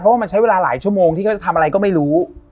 เพราะว่ามันใช้เวลาหลายชั่วโมงที่เขาจะทำอะไรก็ไม่รู้